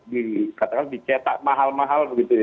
dikatakan dicetak mahal mahal begitu ya